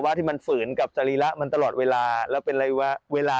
ที่มันฝืนกับสรีระมันตลอดเวลาแล้วเป็นระยะเวลา